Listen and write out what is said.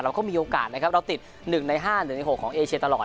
เขาก็มีโอกาสนะครับเราติด๑ใน๕๑ใน๖ของเอเชียตลอด